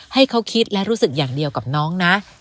ให้เขาคิดและรู้สึกอย่างเดียวกับน้องนะ